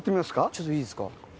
ちょっといいですか。